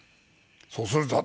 そうするぞ！